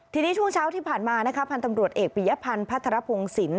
ทีนี้ช่วงเช้าที่ผ่านมานะคะพันธ์ตำรวจเอกปียพันธ์พัทรพงศิลป